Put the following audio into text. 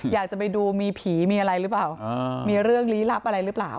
อยากจะไปดูมีผีมีอะไรหรือเปล่ามีเรื่องลี้ลับอะไรหรือเปล่า